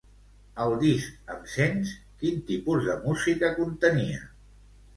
El disc Em sents? quin tipus de música contenia?